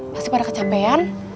pasti pada kecapean